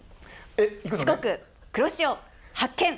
四国黒潮発見！